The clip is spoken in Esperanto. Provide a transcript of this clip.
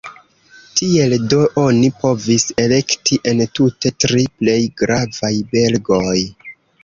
Tiel do oni povis elekti entute tri plej gravaj belgoj.